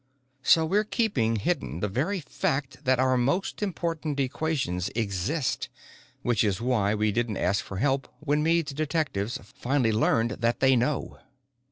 So we're keeping hidden the very fact that our most important equations exist which is why we didn't ask for help when Meade's detectives finally learned that they know."